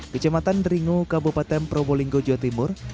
kecematan deringu kabupaten probolinggo jawa timur